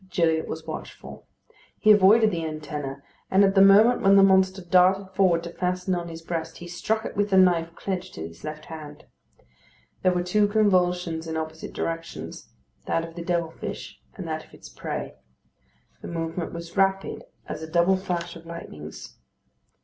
But Gillian was watchful. He avoided the antenna, and at the moment when the monster darted forward to fasten on his breast, he struck it with the knife clenched in his left hand. There were two convulsions in opposite directions; that of the devil fish and that of its prey. The movement was rapid as a double flash of lightnings.